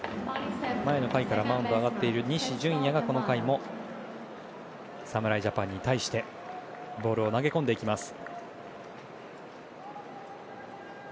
前の回からマウンドに上がっている西純矢がこの回も侍ジャパンに対してボールを投げ込んでいきます。